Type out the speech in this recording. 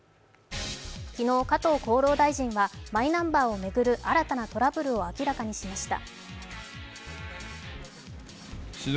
昨日、加藤厚労大臣はマイナンバーを巡る新たなトラブルを明らかにしました。